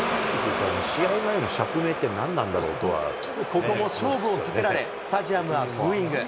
ここも勝負を避けられ、スタジアムはブーイング。